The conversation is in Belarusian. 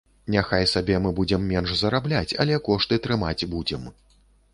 Няхай сабе, мы будзем менш зарабляць, але кошты трымаць будзем.